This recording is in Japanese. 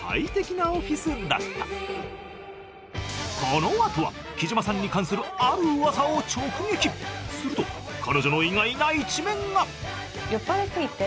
この後は貴島さんに関するあるウワサを直撃すると彼女の意外な一面が！